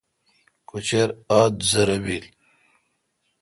کچر ادھزرہ بیل۔